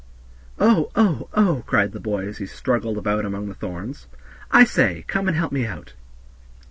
"Oh, oh, oh!" cried the boy as he struggled about among the thorns; "I say, come and help me out."